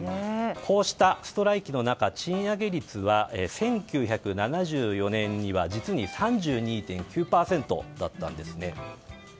こうしたストライキの中賃上げ率は１９７４年には実に３２．９％だったんですね。